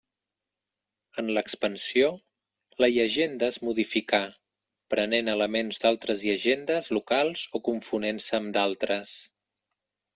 En l'expansió, la llegenda es modificà, prenent elements d'altres llegendes locals o confonent-se amb d'altres.